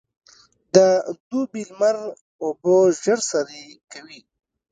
د دوبي لمر اوبه ژر سرې کوي.